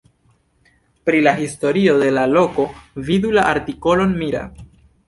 Pri la historio de la loko vidu la artikolon Mira.